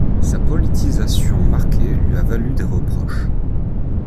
Sa politisation marquée lui a valu des reproches.